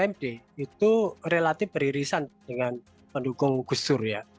md itu relatif beririsan dengan pendukung gus dur ya